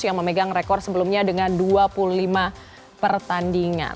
yang memegang rekor sebelumnya dengan dua puluh lima pertandingan